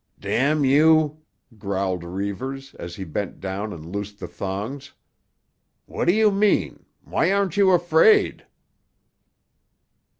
"—— you!" growled Reivers as he bent down and loosed the thongs. "What do you mean? Why aren't you afraid?"